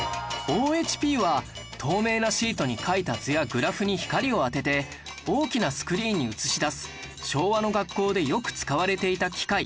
ＯＨＰ は透明なシートに描いた図やグラフに光を当てて大きなスクリーンに映し出す昭和の学校でよく使われていた機械